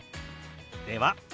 では。